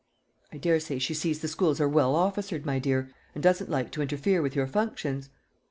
"I daresay she sees the schools are well officered, my dear, and doesn't like to interfere with your functions."